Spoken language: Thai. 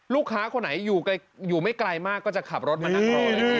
ลูกค้าคนไหนอยู่ไม่ไกลมากก็จะขับรถมานั่งรออยู่